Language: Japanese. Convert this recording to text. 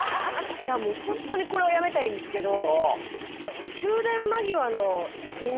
ホントにこれはやめたいんですけど。